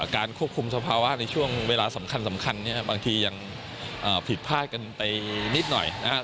การควบคุมสภาวะในช่วงเวลาสำคัญเนี่ยบางทียังผิดพลาดกันไปนิดหน่อยนะครับ